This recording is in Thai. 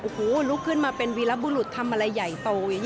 โอ้โฮลุกขึ้นมาเป็นวีระบุรุษทำอะไรใหญ่โต